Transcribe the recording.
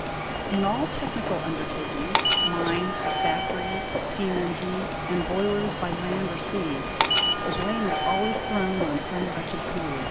In all technical undertakings, mines, factories, steam engines and boilers by land or sea, the blame is always thrown on some wretched cooly.